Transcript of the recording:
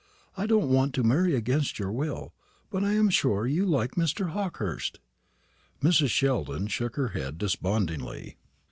I don't want to marry against your will. But I am sure you like Mr. Hawkehurst." Mrs. Sheldon shook her head despondingly.